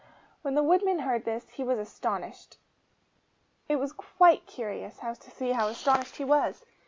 When the woodman heard this, he was so astonished, it was quite curious to see how astonished he was.